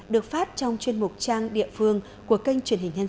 được phát trong chuyên mục trang địa phương của kênh truyền hình nhân dân